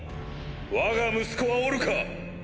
わが息子はおるか？